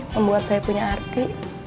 membuat saya punya arti